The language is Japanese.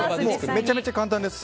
めちゃめちゃ簡単です。